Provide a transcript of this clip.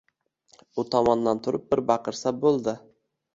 U tomdan turib bir baqirsa bo‘ldi.